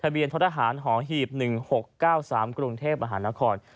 บริเวณทศหารหอหีบ๑๖๙๓กรุงเทพฯมหานคร